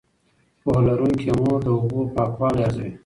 پوهه لرونکې مور د اوبو پاکوالی ارزوي.